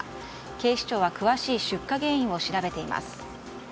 警視庁は詳しい出火原因を調べています。